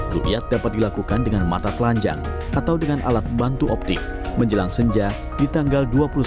rukyat ⁇ dapat dilakukan dengan mata telanjang atau dengan alat bantu optik menjelang senja di tanggal dua puluh satu